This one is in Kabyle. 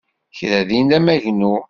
Kra din d amagnu.